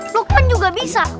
lukman juga bisa